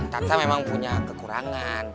tata memang punya kekurangan